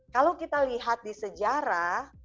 kalau kita lihat di sejarah